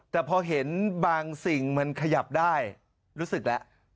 แต่พอเห็นบางสิ่งมันขยับได้รู้สึกแล้ว